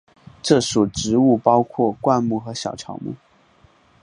这属植物包括灌木和小乔木。